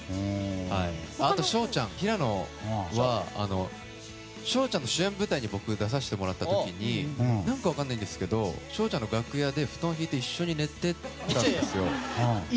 あと、平野は紫耀ちゃんの主演舞台に僕、出させてもらった時に何か分からないんですけど紫耀ちゃんの楽屋で布団敷いて一緒に寝てたんですよ。